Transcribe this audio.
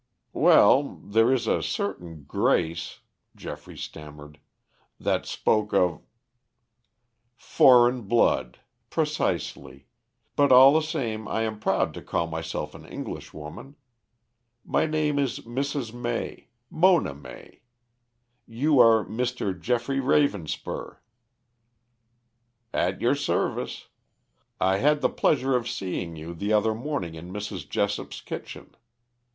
"Well, there is a certain grace," Geoffrey stammered, "that spoke of " "Foreign blood. Precisely. But all the same, I am proud to call myself an Englishwoman. My name is Mrs. May Mona May. You are Mr. Geoffrey Ravenspur." "At your service. I had the pleasure of seeing you the other morning in Mrs. Jessop's kitchen.